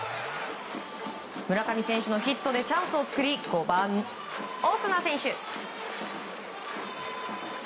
村上選手のヒットでチャンスを作り５番、オスナ選手。